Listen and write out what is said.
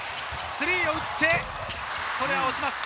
スリーを打って、これは落ちます。